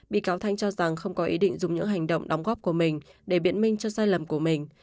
bị cáo thanh cho rằng không có ý định dùng những hành động đóng góp của mình để biện minh cho sai lầm của mình